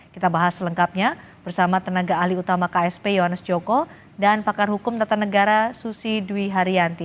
kita bahas selengkapnya bersama tenaga ahli utama ksp yones joko dan pakar hukum tata negara susi dwi haryanti